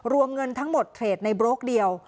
รวมเงินทั้งหมดเทรดในโบรกเดียว